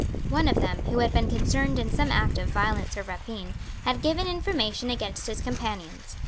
One of them, who had been concerned in some act of violence or rapine, had given information against his companions.